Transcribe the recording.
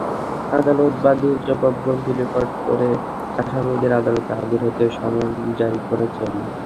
আদালত বাদীর জবানবন্দি রেকর্ড করে আসামিদের আদালতে হাজির হতে সমন জারি করেছেন।